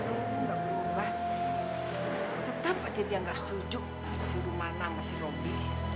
itu kan bisa nyakitin hati orang umi